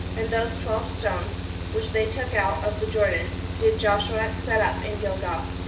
20And those twelve stones, which they took out of the Jordan, did Joshua set up in Gilgal.